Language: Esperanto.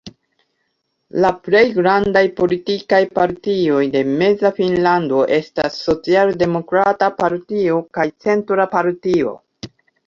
La plej grandaj politikaj partioj de Meza Finnlando estas Socialdemokrata Partio kaj Centra Partio.